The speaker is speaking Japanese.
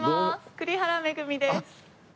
栗原恵です。